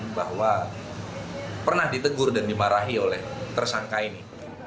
bahwa pernah ditegur dan dimarahi oleh tersangka ini